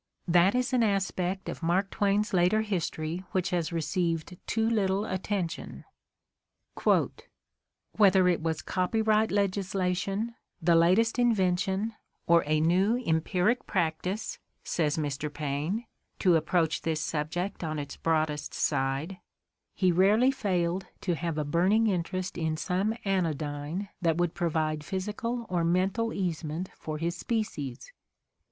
That is an aspect of Mark Twain's later history which has received too little atten tion. "Whether it was copyright legislation, the latest invention, or a new empiric practice, '' says Mr. Paine — to approach this subject on its broadest side — "he rarely failed to have a burning interest in some anodjrne that would provide physical or mental easement for his species."